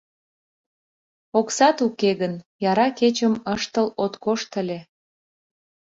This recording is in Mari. Оксат уке гын, яра кечым ыштыл от кошт ыле.